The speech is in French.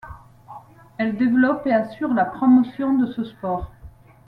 Elle développe et assure la promotion de ce sport.